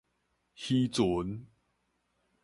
漁船